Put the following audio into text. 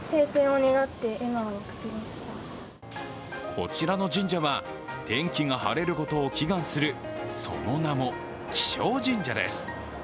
こちらの神社は、天気が晴れることを祈願するその名も、気象神社です。